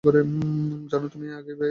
জানো, তুমি আগেই এ ব্যাপারে ঠিক ছিলে।